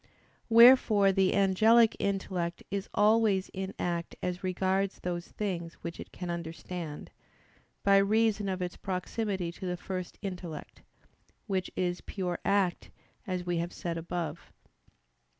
Wherefore the angelic intellect is always in act as regards those things which it can understand, by reason of its proximity to the first intellect, which is pure act, as we have said above.